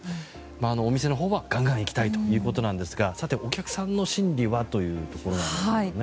お店のほうはガンガン行きたいということなんですがさて、お客さんの心理はというところなんですよね。